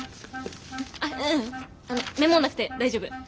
あっううんメモんなくて大丈夫。